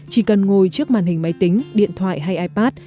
chỉ cần ngồi trước màn hình máy tính điện thoại hay ipad